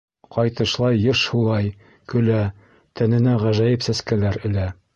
Ҡайтышлай йыш һулай, көлә, тәненә ғәжәйеп сәскәләр элә.